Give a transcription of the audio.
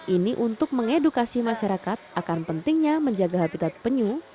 ini untuk mengedukasi masyarakat akan pentingnya menjaga habitat penyu